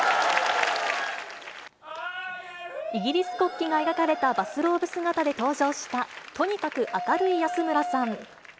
イギリス国旗が描かれたバスローブ姿で登場した、とにかく明るい安村さん。